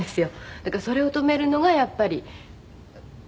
「だからそれを止めるのがやっぱり声ですね」